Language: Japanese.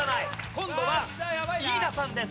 今度は飯田さんです